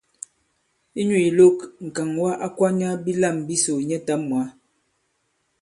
Inyū ìlok, ŋ̀kàŋwa a kwanya bilâm bisò nyɛtām mwǎ.